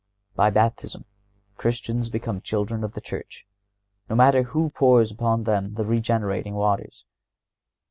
By Baptism Christians become children of the Church, no matter who pours upon them the regenerating waters.